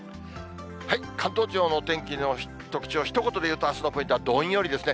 関東地方のお天気の特徴、ひと言でいうと、あすのポイントはどんよりですね。